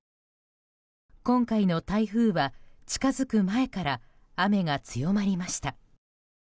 今回の台風は近づく前から雨が強まりました。